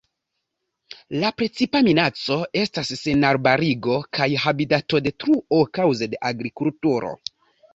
La precipa minaco estas senarbarigo kaj habitatodetruo kaŭze de agrikulturo.